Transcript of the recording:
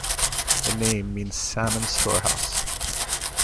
The name means "salmon storehouse".